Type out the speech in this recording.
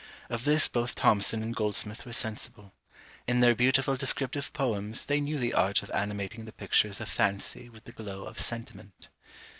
Of this both Thomson and Goldsmith were sensible. In their beautiful descriptive poems they knew the art of animating the pictures of FANCY with the glow of SENTIMENT.